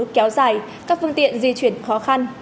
kéo dài các phương tiện di chuyển khó khăn